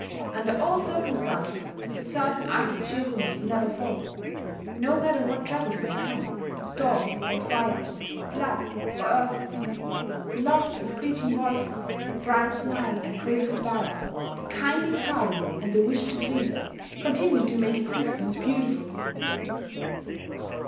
Under all circumstances a certain outward cheerfulness never falls: no matter what troubles may come, storm or fire, flood or earthquake, the laughter of greeting voices, the bright smile and graceful bow, the kindly inquiry and the wish to please, continue to make existence beautiful.